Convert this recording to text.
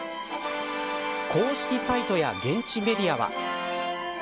公式サイトや現地メディアは。